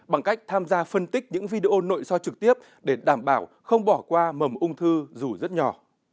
bằng cách tham gia phân tích những video nội soi trực tiếp để đảm bảo không bỏ qua mầm ung thư dù rất nhỏ